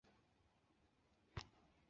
沅江澧水